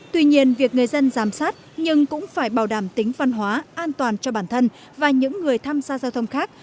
tuy nhiên việc người dân giám sát nhưng cũng phải bảo đảm tính văn hóa an toàn cho bản thân và những người tham gia giao thông khác